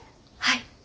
はい！